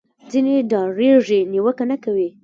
ځینې ډارېږي نیوکه نه کوي